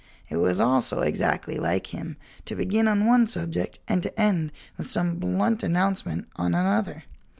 It was also exactly like him to begin on one subject and to end with some blunt announcement on another.